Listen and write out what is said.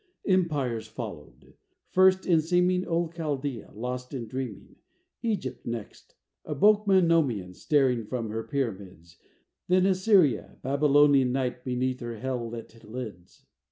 Empires followed: first, in seeming, Old Chaldea lost in dreaming; Egypt next, a bulk Memnonian Staring from her pyramids; Then Assyria, Babylonian Night beneath her hell lit lids.